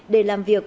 để làm việc